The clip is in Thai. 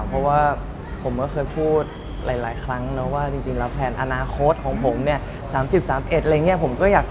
เพราะว่าผมก็เคยพูดหลายครั้งนะว่าจริงแล้วแผนอนาคตของผมเนี่ย๓๐๓๑อะไรอย่างนี้ผมก็อยาก